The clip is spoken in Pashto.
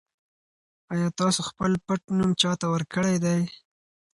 ایا تاسي خپل پټنوم چا ته ورکړی دی؟